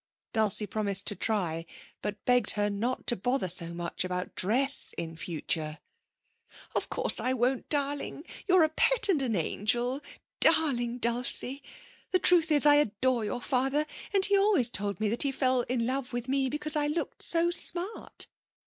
Dulcie promised to try, but begged her not to bother so much about dress in future. 'Of course I won't, darling! You're a pet and an angel. Darling Dulcie! The truth is I adore your father. And he always told me that he fell in love with me because I looked so smart!